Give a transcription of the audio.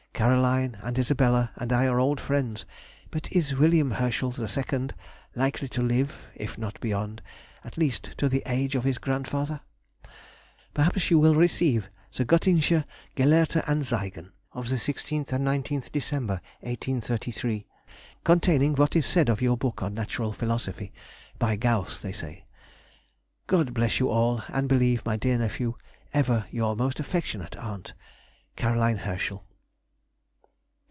Caroline and Isabella and I are old friends, but is William Herschel the second likely to live (if not beyond) at least to the age of his grandfather? Perhaps you will receive the "Göttingsche Gelehrte Anzeigen" of 16th and 19th December, 1833, containing what is said of your book on Natural Philosophy (by Gauss they say). God bless you all, and believe, my dear nephew, Ever your most affectionate aunt, CAR. HERSCHEL.